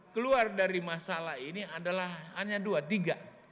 keluar dari masalah ini adalah hanya dua tiga